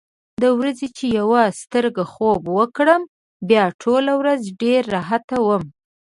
د ورځې چې یوه سترګه خوب وکړم، بیا ټوله ورځ ډېر راحت وم.